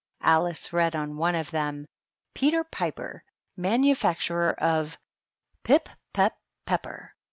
Alice read on one of them PETEK PIPBE, MANUPACTUBER OP PIP PEP PEPPER.